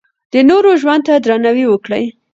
د نورو ژوند ته درناوی وکړئ.